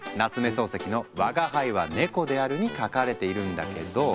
漱石の「吾輩は猫である」に書かれているんだけど。